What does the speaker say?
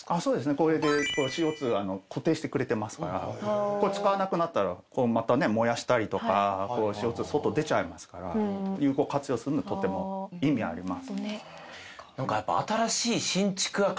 これでＣＯ２固定してくれてますからこれ使わなくなったらまたね燃やしたりとかＣＯ２外出ちゃいますから有効活用するのはとても意味あります。